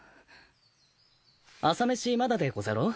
朝飯まだでござろう？